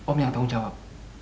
om yang tanggung jawab